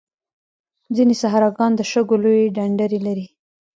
ځینې صحراګان د شګو لویې ډنډرې لري.